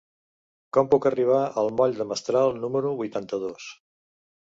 Com puc arribar al moll de Mestral número vuitanta-dos?